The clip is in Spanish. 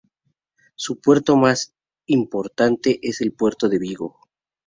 Su puerto más importante es el Puerto de Vigo.